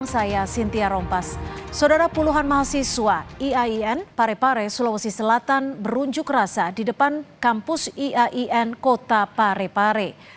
saya sintia rompas saudara puluhan mahasiswa iain parepare sulawesi selatan berunjuk rasa di depan kampus iain kota parepare